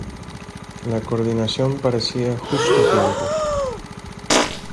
La coordinación parecía justo a tiempo.